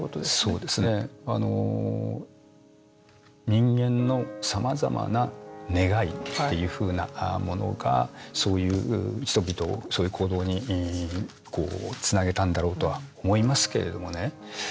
人間のさまざまな願いっていうふうなものがそういう人々をそういう行動につなげたんだろうとは思いますけれどもね。